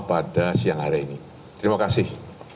pada siang hari ini terima kasih